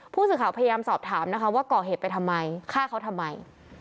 ผู้สื่อข่าวพยายามสอบถามนะคะว่าก่อเหตุไปทำไมฆ่าเขาทำไม